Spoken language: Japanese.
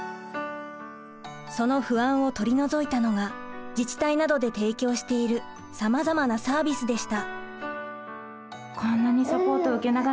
その不安を取り除いたのが自治体などで提供しているさまざまなサービスでした。